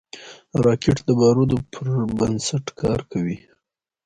راکټ د بارودو پر بنسټ کار کوي